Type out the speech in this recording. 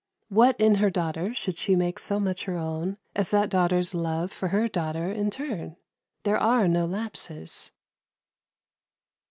What in her daughter should she make so much her own as that daughter's love for her daughter in turn? There are no lapses.